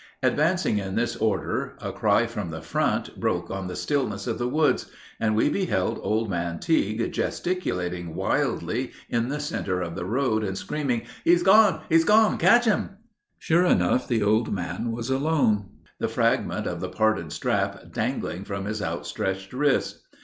Advancing in this order, a cry from the front broke on the stillness of the woods, and we beheld Old Man Tigue gesticulating wildly in the center of the road and screaming, "He's gone! He's gone! Catch him!" Sure enough the old man was alone, the fragment of the parted strap dangling from his outstretched wrist.